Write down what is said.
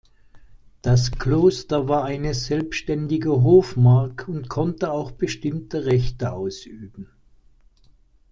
Das Kloster war eine selbstständige Hofmark und konnte auch bestimmte Rechte ausüben.